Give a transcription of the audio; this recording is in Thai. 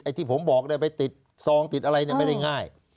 ไอ้ที่ผมบอกเนี่ยไปติดซองติดอะไรเนี่ยไม่ได้ง่าย